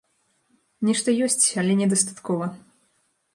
Нешта ёсць, але недастаткова.